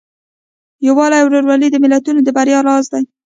یووالی او ورورولي د ملتونو د بریا راز دی.